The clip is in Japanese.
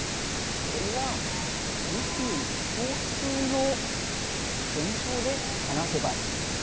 それは宇宙に共通の現象で話せばいいんです。